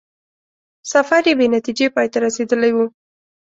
سفر یې بې نتیجې پای ته رسېدلی وو.